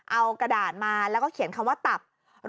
เอากระดาษมาแล้วก็เขียนคำว่าตับ